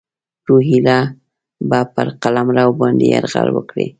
روهیله به پر قلمرو باندي یرغل وکړي.